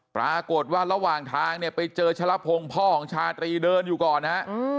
ปรากฏว่าระหว่างทางเนี่ยไปเจอชะละพงศ์พ่อของชาตรีเดินอยู่ก่อนฮะ